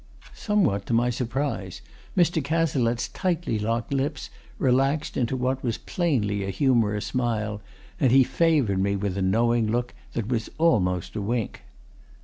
Somewhat to my surprise, Mr. Cazalette's tightly locked lips relaxed into what was plainly a humorous smile, and he favoured me with a knowing look that was almost a wink.